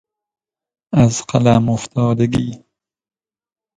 از فلم افتادگی